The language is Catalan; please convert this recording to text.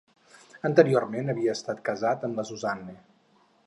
Anteriorment, havia estat casat amb la Suzanne.